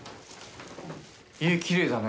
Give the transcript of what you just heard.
家きれいだね。